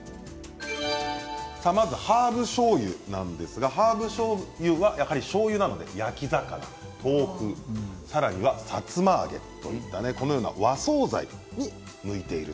まずハーブしょうゆなんですがやはり、しょうゆなので焼き魚豆腐、さらにはさつま揚げこのような和総菜に向いている。